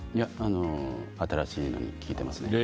新しいの聴いてますね。